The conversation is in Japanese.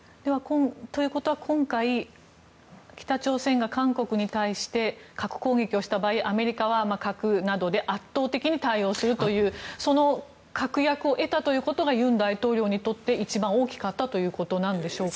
ということは今回北朝鮮が韓国に対して核攻撃をした場合アメリカは核などで圧倒的に対応するというその確約を得たということが尹大統領にとって一番大きかったということでしょうか。